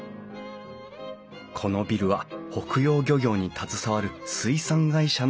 このビルは北洋漁業に携わる水産会社の社屋として建てられた。